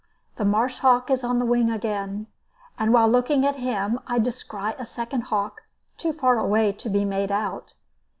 The marsh hawk is on the wing again, and while looking at him I descry a second hawk, too far away to be made out.